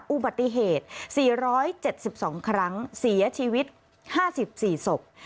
อุบัติเหตุ๔๗๒ครั้งเสียชีวิต๕๔ศพ